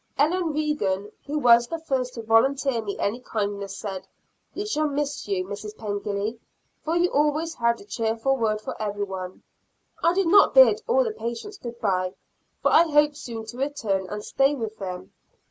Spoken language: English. Ellen Regan, who was the first to volunteer me any kindness, said, "We shall miss you, Mrs. Pengilly, for you always had a cheerful word for every one." I did not bid all the patients good bye, for I hope soon to return and stay with them.